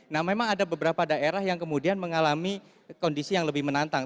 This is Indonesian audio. nah memang ada beberapa daerah yang kemudian mengalami kondisi yang lebih menantang